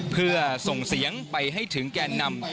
เพื่อส่งเสียงไปให้ถึงแก่นำ